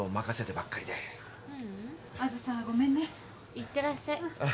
いってらっしゃい。